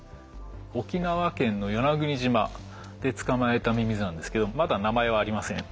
沖縄県の与那国島で捕まえたミミズなんですけどまだ名前はありません。